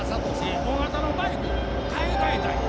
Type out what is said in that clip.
大型のバイク買い替えたんや。